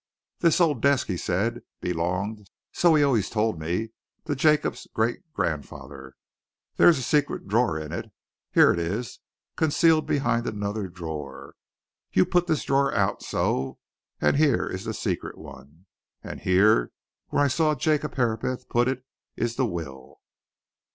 "This old desk," he said, "belonged, so he always told me, to Jacob's great grandfather. There is a secret drawer in it. Here it is concealed behind another drawer. You put this drawer out so and here is the secret one. And here where I saw Jacob Herapath put it is the will."